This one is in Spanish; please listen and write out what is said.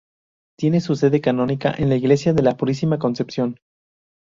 Tiene su sede canónica en la Iglesia de la Purísima Concepción.